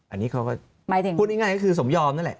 อันนี้เขาก็หมายถึงพูดง่ายก็คือสมยอมนั่นแหละ